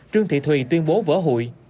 trương thị thùy tuyên bố vỡ hụi